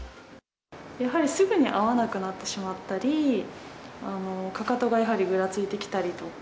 やはりすぐに合わなくなってしまったり、かかとがやはりぐらついてきたりとか。